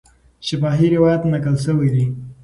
شفاهي روایت نقل سوی دی.